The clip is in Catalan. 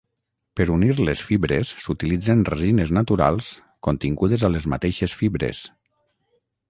Per unir les fibres s'utilitzen resines naturals contingudes a les mateixes fibres.